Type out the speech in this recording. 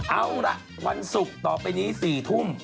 เอาล่ะวันศุกร์ต่อไปนี้๔ทุ่ม